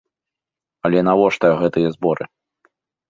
Але навошта гэтыя зборы?